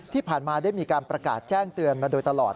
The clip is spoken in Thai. ที่ผ่านมาได้มีการประกาศแจ้งเตือนมาโดยตลอด